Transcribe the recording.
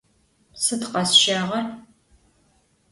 Sıd khesşağer?